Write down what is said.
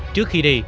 trước khi đi